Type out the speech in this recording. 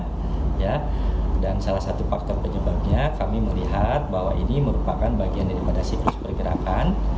harimau yang sama dengan harimau sebelumnya dan salah satu faktor penyebabnya kami melihat bahwa ini merupakan bagian dari pada siklus pergerakan